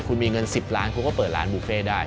คุณมีเงิน๑๐ล้านคุณก็เปิดร้านบุฟเฟ่ได้